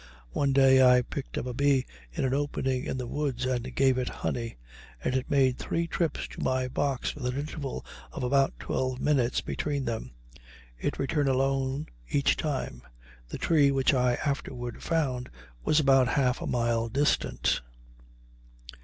One day I picked up a bee in an opening in the woods and gave it honey, and it made three trips to my box with an interval of about twelve minutes between them; it returned alone each time; the tree, which I afterward found, was about half a mile distant.